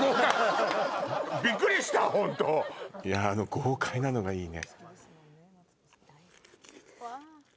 豪快なのがいいね。